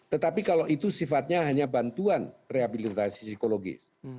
tetapi kalau itu sifatnya hanya bantuan rehabilitasi psikologis